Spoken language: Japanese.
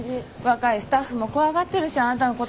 若いスタッフも怖がってるしあなたのこと。